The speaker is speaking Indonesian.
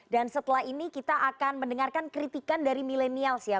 dan setelah ini kita akan mendengarkan kritikan dari millenials ya